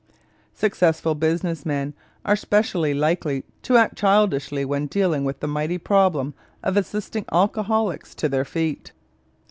Successful business men are specially likely to act childishly when dealing with the mighty problem of assisting alcoholics to their feet.